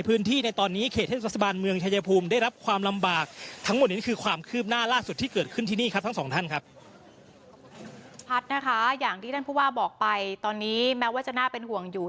นะคะอย่างที่ท่านผู้ว่าบอกไปตอนนี้แม้ว่าจะน่าเป็นห่วงอยู่